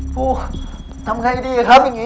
พูดทำไงดีอะครับอย่างนี้